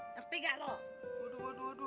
ngerti gak lu